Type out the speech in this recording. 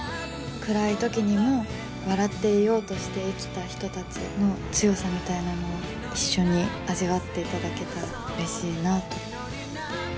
暗い時にも笑っていようとして生きた人たちの強さみたいなものを一緒に味わっていただけたらうれしいなと。